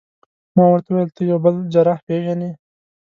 ما ورته وویل: ته یو بل جراح پېژنې؟